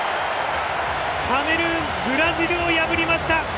カメルーンブラジルを破りました！